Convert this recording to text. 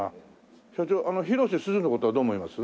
社長広瀬すずの事はどう思います？